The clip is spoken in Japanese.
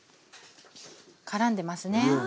からんでますね。わ